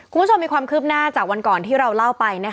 คุณผู้ชมมีความคืบหน้าจากวันก่อนที่เราเล่าไป